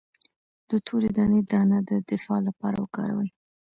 د تورې دانې دانه د دفاع لپاره وکاروئ